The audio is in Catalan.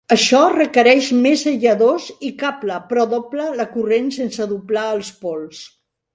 Això requereix més aïlladors i cable, però dobla la corrent sense doblar els pols.